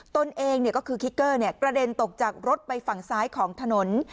ตนเองก็คือคิกเกอร์กระเด็นตกจากรถไปฝั่งซ้ายของถนน